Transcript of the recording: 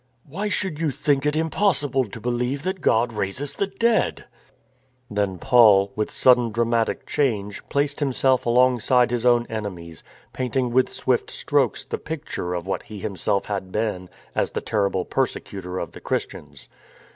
Why should you think it impossible to believe that God raises the dead ?" Then Paul, with sudden dramatic change, placed himself alongside his own enemies, painting with swift strokes the picture of what he himself had been as the terrible persecutor of the Christians.